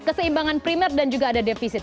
keseimbangan primer dan juga ada defisit